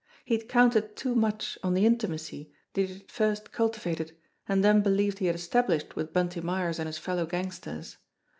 He had counted too much on the intimacy that he had first cultivated and then believed he had established with Bunty Myers and his fellow gangsters.